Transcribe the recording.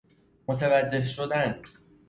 متوجه شدن